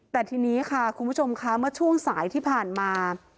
แต่ทีนี้ค่ะคุณผู้ชมคะเมื่อช่วงสายที่ผ่านมา